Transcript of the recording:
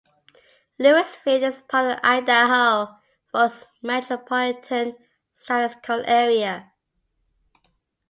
Lewisville is part of the Idaho Falls Metropolitan Statistical Area.